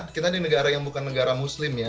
kita di negara yang bukan negara muslim ya